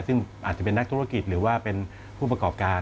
ซึ่งอาจจะเป็นนักธุรกิจหรือว่าเป็นผู้ประกอบการ